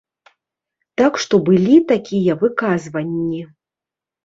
Так што былі такія выказванні.